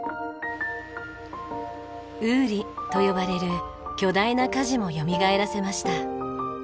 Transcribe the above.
「ウーリ」と呼ばれる巨大な舵もよみがえらせました。